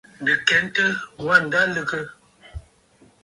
Nɨ̀ kɛntə, wâ ǹda lɨgə.